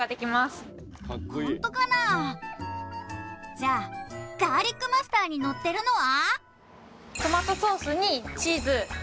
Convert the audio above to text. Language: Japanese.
じゃあガーリック・マスターにのってるのは？